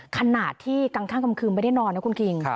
ขนาดที่กลางข้างกลางคืนไม่ได้นอนนะคุณคิง